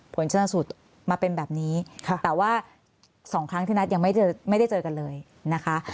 ผลชนสูตรมาเป็นแบบนี้แต่ว่า๒ครั้งที่นัทยังไม่ได้เจอกันเลยนะคะ